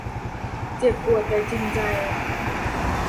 เจ็บปวดแต่จริงใจ